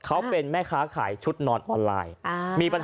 เขาเป็นแม่ค้าขายชุดนอนออนไลน์